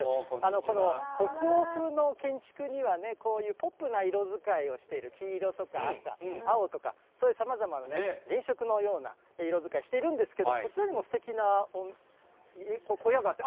この北欧風の建築には、こういうポップな色づかいをしている黄色とか赤、青とか、そういうさまざまな原色のような色づかいしているんですけど、こちらにもすてきな小屋があって。